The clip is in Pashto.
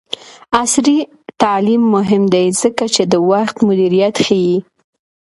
عصري تعلیم مهم دی ځکه چې د وخت مدیریت ښيي.